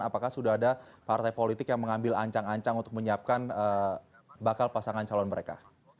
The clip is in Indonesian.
apakah sudah ada partai politik yang mengambil ancang ancang untuk menyiapkan bakal pasangan calon mereka